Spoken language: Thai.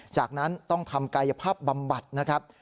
จากนั้นต้องทำกายภาพบำบัดนะครับ